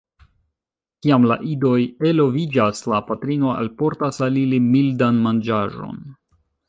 Kiam la idoj eloviĝas la patrino alportas al ili mildan manĝaĵon.